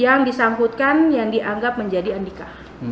yang disangkutkan yang dianggap menjadi andika